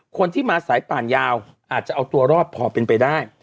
คนที่มาสายป่านยาวอาจจะเอาตัวรอดพอเป็นไปได้